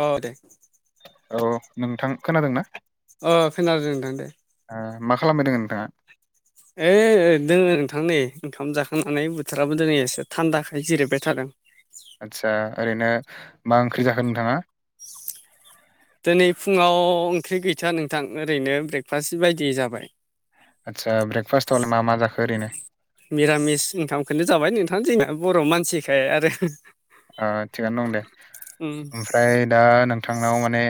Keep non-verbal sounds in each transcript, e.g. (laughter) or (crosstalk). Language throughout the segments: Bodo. औ दे। औ नोंथां खोनादोंना? अ खोनादों नोंथां दे। मा खालामबायदों नोंथाङा? ओइ दोङो नोंथां नै ओंखाम जाखांनानै बोथोराबो दङै एसे थान्दाखाय जिरायबाय थादों। आदसा ओरैनो मा ओंख्रि जाखो नोंथाङा? दिनै फुङाव ओंख्रि गैथा नोंथां ओरैनो ब्रेकफास्ट बायदि जाबाय। आदसा बेकफास्टआवलाय मा मा जोखो ओरैनो? मिरामिस नोंथांखौनो जाबाय नोंथां जोंना बर' मानसिखाय आरो। थिगानो दं दे, उम ओमफ्राय दा नोंथांनाव माने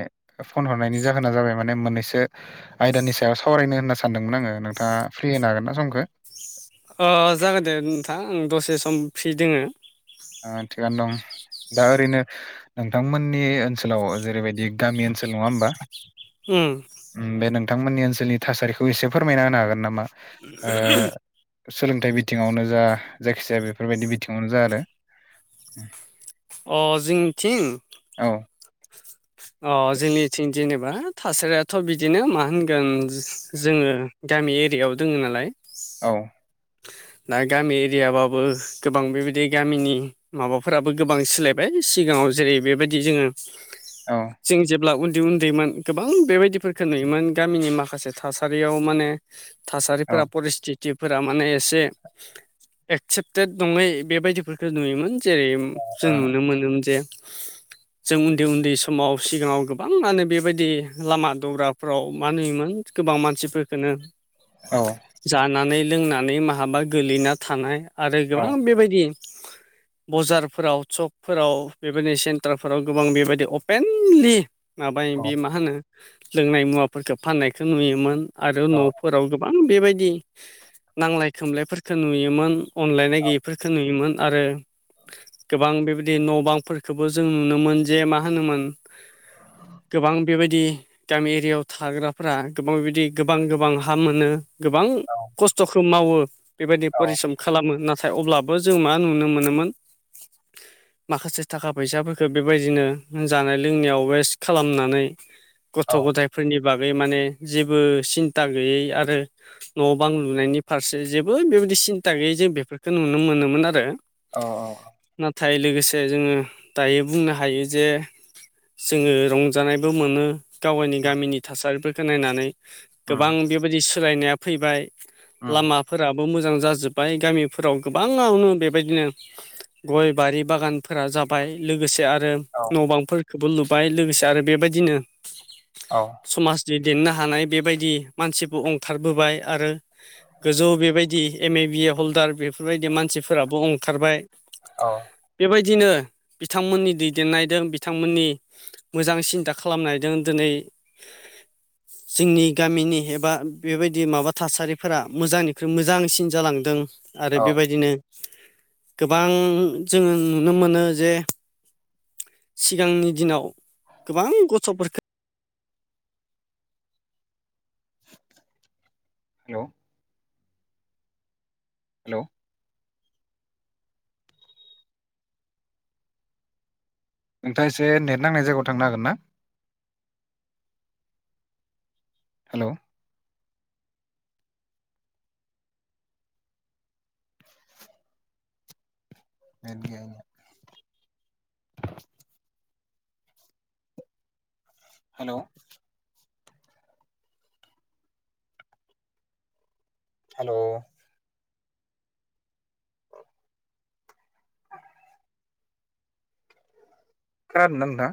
फन हरनायनि जाहोना जाबाय माने मोननैसो आयदानि सायाव सावरायनो होनना सानदोंमोन आङो नोंथाङा फ्रि होनो हागोन ना समखो? अ जागोन दे नोंथां आं दसे सम फ्रि दोङो। ओ थिगानो दं। दा ओरैनो नोंथांमोननि ओनसोलाव जेरैबायदि गामि ओनसोल नङा होमबा? ओम। ओम बे नोंथांमोननि ओनसोलनि थासारिखौ एसे फोरमायना होनो हागोन नामा? ओ सोलोंथाइ बिथिङावनो जा जायखिजाया बेफोरबायदि बिथिङावनो जा आरो। (unintelligible) अ जोंनि थिं? औ अ जोंनिथिं जेनेबा थासारियाथ' बिदिनो मा होनगोन? जोङो गामि एरियायाव दोङो नालाय। औ दा गामि एरियाबाबो गोबां बेबायदि गामिनि माबाफोराबो गोबां सोलायबाय सिगाङाव जेरै बेबायदि जोङो औ। जों जेब्ला उन्दै उन्दैमोन गोबां बेबायदिफोरखो नुयोमोन गामिनि माखासे थासारियाव माने औ थासारिफोरा परिस्थितफोरा माने एसे एक्सेप्टेड नङै बेबायदिफोरखो नुयोमोन जेरै जों नुनो मोनोमोन जे जों उन्दै उन्दै सम (unintelligible) सिगाङाव गोबाङानो बेबायदि लामा दग्राफ्राव मानुयोमोन? गोबां मानसिफोरखोनो औ। जानानै लोंनानै माहाबा गोलैना थानाय आरो औ गोबां बेबायदि बजारफोराव सकफोराव बेबायदि सेन्टारफोराव गोबां बेबायदि अ मेनलि माबायो औ बे मा होनो लोंनाय मुवाफोरखो फाननायखो नुयोमोन। आरो न'फोराव गोबां बेबायदि नांलाय खोमलायफोरखो नुयोमोन। अनलायनाय गैयिफोरखो नुयोमोन आरो (unintelligible) बां बेबायदि न' बांफोरफोरखोबो जों नुनो मोन जे मा होनोमोन गोबां बेबायदि गामि एरियाव थाग्राफोरा गोबां बिदि गोबां गोबां हा मोनो। गोबां खस्थ'खो मावो बेबायदि फरिस्रम खालामो नाथ थाय अब्लाबो जों मा नुनो मोनोमोन माखासे थाखा फैसाफोरखो बेबायदिनो जानाय लोंनायाव वेस्ट खालामनानै औ गथ' गथाय फोरनि बागै माने जेबो सिन्ता गैयै आरो न' बां लुनायनि फारसे जेबो बेबायदि सिन्ता गैयै जों बेफोरखौ नुनो मोनोमोन आरो। औ अ। नाथाय लोगोसे जोङो दायो बुंनो हायो जे जोङो रंजानायबो मोनो गावगायनि गामिनि थासारिफोरखो नायनानै। गोबां बेबायदि सोलायनाया फैबाय लामा फोराबो मोजां जाजोब्बाय गामिफोराव गोबाङावनो बेबायदिनो गय बारि बागानफोरा जाबाय लोगोसे आरो न' बांफोरफोरखोबो लुबाय लोगोसे आरो बेबायदिनो औ समाजनि देननो हानाय बेबायदि मानसिबो अंखारबोबाय आरो गोजौ बेबायदि एम ए बि ए हल्दार बेफोरबायदि मानसिफोराबो अंखारबाय। बेबायदिनो बिथांमोननि दैदेननाय दों बिथांमोननि मोजां सिन्था खालामनायदों दोनै (unintelligible) जोंनि गामिनि एबा बेबायदि माबा थासारिफोरा मोजांनिख्रुइ मोजांसिन जालांदों। औ आरो बेबायदिनो गोबां जोङो नुनो मोनो जे सिगांनि दिनाव गोबां गथ'फोरखो (inaudible) हेलौ हेलौ नोंथाङा एसे नेट नांनाय जायगायाव थांनो हागोन ना? हेलौ (inaudible) नेट गैया (inaudible) हेलौ हेल' खोनादो ना नोंथां?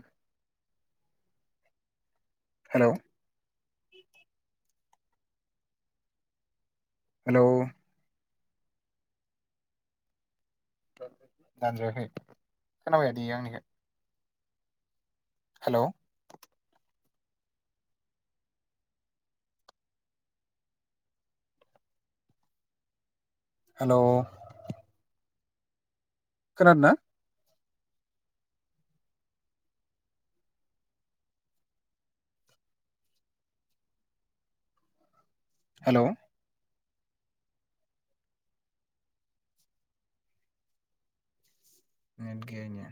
हेलौ हेलौ दानजायाखै खोनाबाय दि आंनिखो। हेलौ हेलौ खोनादो ना? हेलौ नेट गैया इनिया।